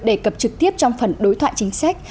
đề cập trực tiếp trong phần đối thoại chính sách